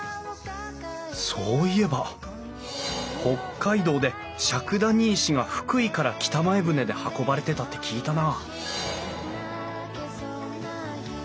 そういえば北海道で笏谷石が福井から北前船で運ばれてたって聞いたな